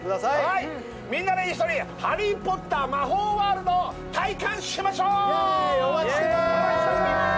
はいみんなで一緒にハリー・ポッター魔法ワールド体感しましょうイエーイお待ちしてます